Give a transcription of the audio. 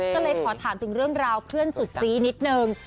ก็เลยขอถามถึงเรื่องราวเพื่อนสุดซี้นิดนึง